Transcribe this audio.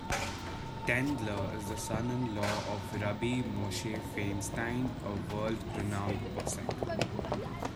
Tendler is the son-in-law of Rabbi Moshe Feinstein, a world-renowned posek.